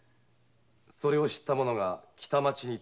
それを知った者が北町に通報。